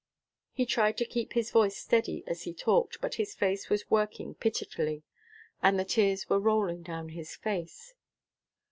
He tried to keep his voice steady as he talked; but his face was working pitifully, and the tears were rolling down his face.